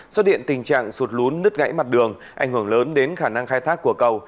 xuất hiện tình trạng sụt lún nứt gãy mặt đường ảnh hưởng lớn đến khả năng khai thác của cầu